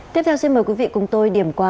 tiếp theo xin mời quý vị cùng tôi điểm qua